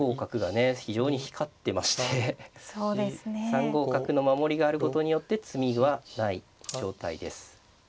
３五角の守りがあることによって詰みはない状態です。